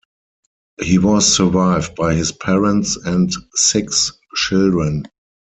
He was survived by his parents and six children.